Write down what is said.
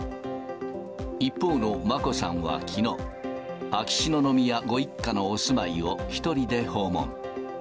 一方の眞子さんはきのう、秋篠宮ご一家のお住まいを一人で訪問。